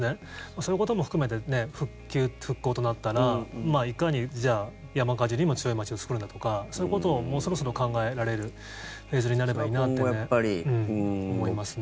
そういうことも含めて復旧・復興となったらいかに、じゃあ山火事にも強い街を作るんだとかそういうことをもうそろそろ考えられるフェーズになればいいなって思いますね。